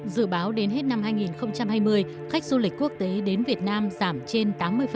dự báo đến hết năm hai nghìn hai mươi khách du lịch quốc tế đến việt nam giảm trên tám mươi